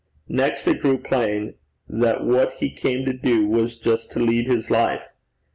Next it grew plain that what he came to do, was just to lead his life.